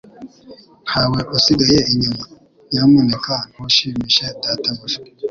Ntawe usigaye inyuma. Nyamuneka ntushimishe data buja